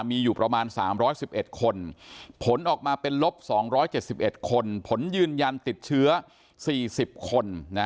มีอยู่ประมาณ๓๑๑คนผลออกมาเป็นลบ๒๗๑คนผลยืนยันติดเชื้อ๔๐คน